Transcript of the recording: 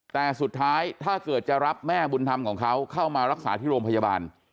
แต่สุดท้ายถ้าเกิดจะรับแม่บุญธรรมของเขาเข้ามารักษาที่โรงพยาบาล